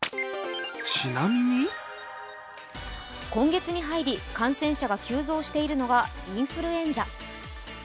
今月に入り感染者が急増しているのがインフルエンザ。